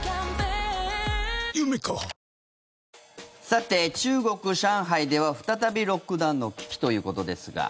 さて、中国・上海では再びロックダウンの危機ということですが。